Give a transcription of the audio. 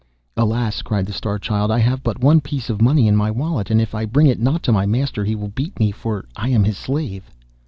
'Alas!' cried the Star Child, 'I have but one piece of money in my wallet, and if I bring it not to my master he will beat me, for I am his slave.